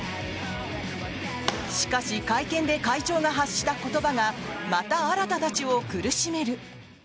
しかし会見で会長が発した言葉がまた新たちを苦しめる。